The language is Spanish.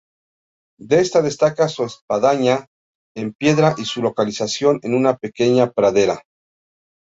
De esta destaca su espadaña en piedra y su localización en una pequeña pradera.